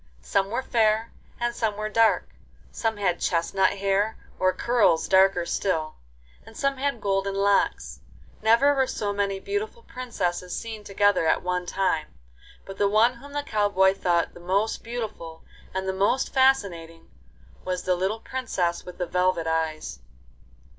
Some were fair and some were dark; some had chestnut hair, or curls darker still, and some had golden locks. Never were so many beautiful princesses seen together at one time, but the one whom the cow boy thought the most beautiful and the most fascinating was the little Princess with the velvet eyes.